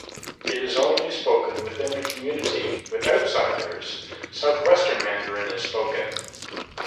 It is only spoken within the community; with outsiders, Southwestern Mandarin is spoken.